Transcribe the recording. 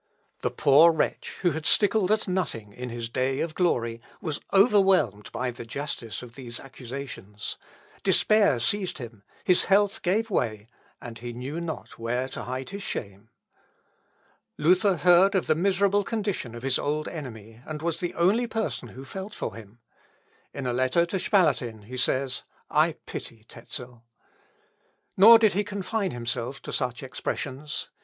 The poor wretch, who had stickled at nothing in his day of glory, was overwhelmed by the justice of these accusations: despair seized him, his health gave way, and he knew not where to hide his shame. Luther heard of the miserable condition of his old enemy, and was the only person who felt for him. In a letter to Spalatin he says, "I pity Tezel." Nor did he confine himself to such expressions.